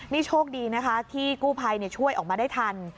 นี่โชคดีนะคะที่กู้ภัยช่วยออกมาได้ทัน